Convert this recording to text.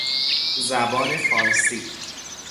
زبان فارسی